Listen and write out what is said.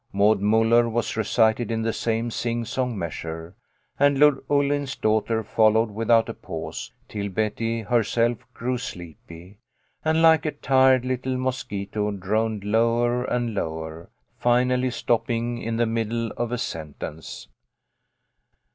Maud Muller was recited in the same sing song measure, and Lord Ullin's daughter followed without a pause, till Betty herself grew sleepy, and, like a tired little mosquito, droned lower and lower, finally stopping in the middle of a sentence.